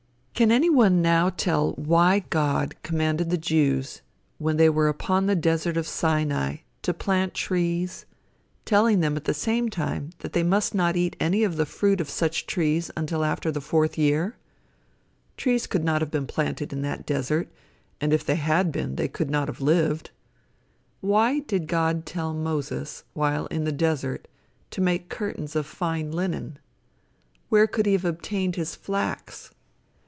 Can any one now tell why God commanded the Jews, when they were upon the desert of Sinai, to plant trees, telling them at the same time that they must not eat any of the fruit of such trees until after the fourth year? Trees could not have been planted in that desert, and if they had been, they could not have lived. Why did God tell Moses, while in the desert, to make curtains of fine linen? Where could he have obtained his flax?